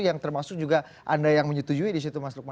yang termasuk juga anda yang menyetujui disitu mas lukman